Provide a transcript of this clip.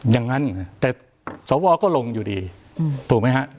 อย่างนั้นแต่สวก็ลงอยู่ดีถูกไหมฮะ